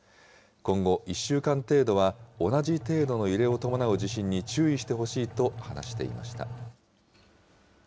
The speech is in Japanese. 今後、１週間程度は同じ程度の揺れを伴う地震に注意してほしいと話していました。